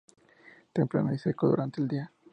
Templado y seco durante el día.